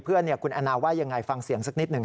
เพื่อนคุณแอนนาว่ายังไงฟังเสียงสักนิดหนึ่ง